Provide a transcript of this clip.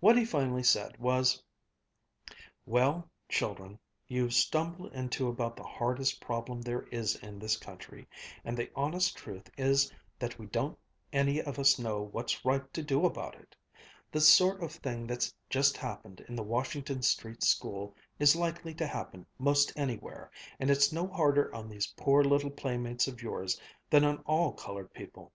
What he finally said was: "Well, children, you've stumbled into about the hardest problem there is in this country, and the honest truth is that we don't any of us know what's right to do about it. The sort of thing that's just happened in the Washington Street School is likely to happen 'most anywhere, and it's no harder on these poor little playmates of yours than on all colored people.